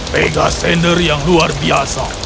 pegasender yang luar biasa